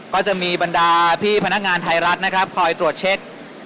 ก็จะมีบรรดาพี่พนักงานไทยรัฐนะครับคอยตรวจเช็ค